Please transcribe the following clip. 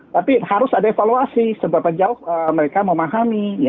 tapi harus ada evaluasi seberapa jauh mereka memahami